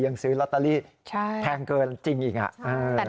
ยังซื้อรอตาลีแพงเกินจริงอีกอ่ะใช่ใช่ใช่ใช่ใช่